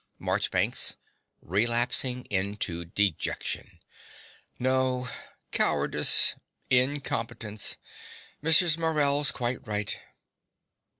MARCHBANKS (relapsing into dejection). No: cowardice, incompetence. Mrs. Morell's quite right.